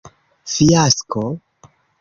Fiasko?